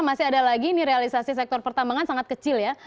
masih ada lagi ini realisasi sektor pertambangan sangat kecil ya